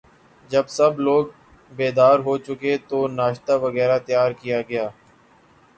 جب سب لوگ بیدار ہو چکے تو ناشتہ وغیرہ تیار کیا گیا